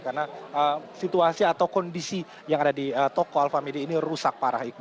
karena situasi atau kondisi yang ada di toko alfa midi ini rusak parah itu